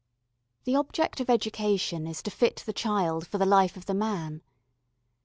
The object of education is to fit the child for the life of the man.